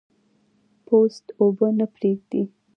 پوست اوبه نه پرېږدي.